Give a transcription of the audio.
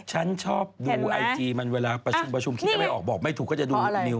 ฉันชอบดูไอจีมันเวลาประชุมประชุมคิดอะไรออกบอกไม่ถูกก็จะดูนิว